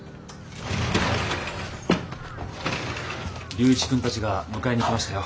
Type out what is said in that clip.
龍一君たちが迎えに来ましたよ。